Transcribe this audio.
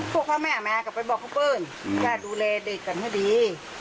พวกพ่อแม่มากลับไปบอกพ่อเปิ้ลอย่าดูแลเด็กกันให้ดี